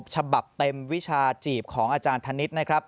ฉบับเต็มวิชาจีบของอาจารย์ธนิษฐ์นะครับ